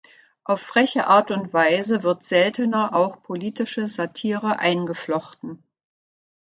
Auf freche Art und Weise wird seltener auch politische Satire eingeflochten.